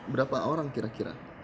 berapa orang kira kira